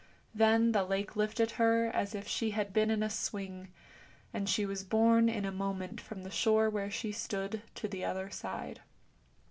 Then the lake lifted her as if she had been in a swing, and she was borne in a moment from the shore where she stood to the other side.